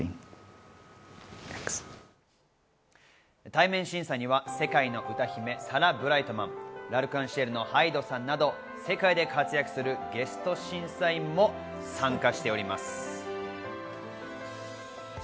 対面審査には世界の歌姫、サラ・ブライトマン、Ｌ’ＡｒｃｅｎＣｉｅｌのＨＹＤＥさんなど、世界で活躍するゲスト審査員も参加しております。